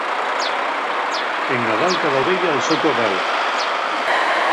En Nadal cada oveya al so corral.